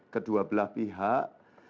kedua belah pihak